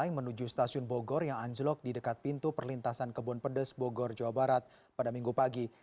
yang menuju stasiun bogor yang anjlok di dekat pintu perlintasan kebun pedes bogor jawa barat pada minggu pagi